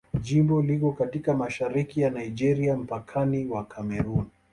Jimbo liko katika mashariki ya Nigeria, mpakani wa Kamerun.